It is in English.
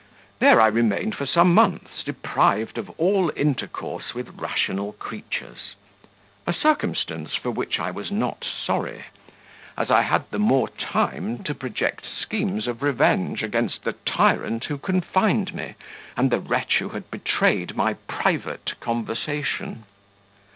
There I remained for some months, deprived of all intercourse with rational creatures; a circumstance for which I was not sorry, as I had the more time to project schemes of revenge against the tyrant who confined me, and the wretch who had betrayed my private conversation.